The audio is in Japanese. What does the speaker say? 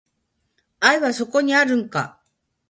愛はそこにあるんか